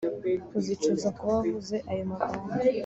Uzicuza kuba wavuze ayo magambo